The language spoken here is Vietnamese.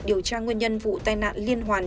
điều tra nguyên nhân vụ tai nạn liên hoàn